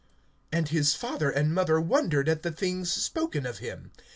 (33)And his father and mother wondered at the things spoken of him.